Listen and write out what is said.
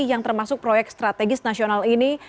yang termasuk proyek strategis nasional ini